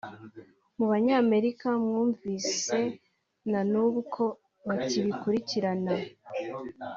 mu Banyamerika mwumvise na n’ubu ko bakibikurikirana